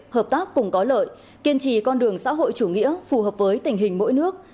hợp tác cùng có lợi kiên trì con đường xã hội chủ nghĩa phù hợp với tình hình mỗi nước